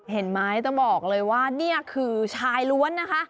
เห็นไหมต้องบอกเลยว่านี่คือชายล้วนนะคะ